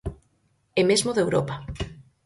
E mesmo de Europa.